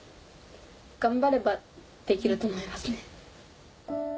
・頑張ればできると思いますね。